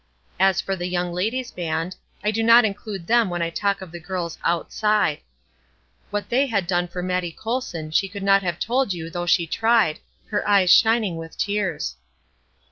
As for the Young Ladies' Band, I do not include them when I talk of the girls "outside," what they had done for Mattie Colson she could not have told you though she tried, her eyes shining with tears.